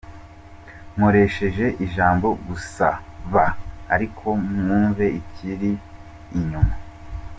Nkoresheje ijambo gusaba ariko mwumve ikiri inyuma.